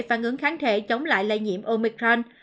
phản ứng kháng thể chống lại lây nhiễm omicron